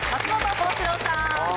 松本幸四郎さん。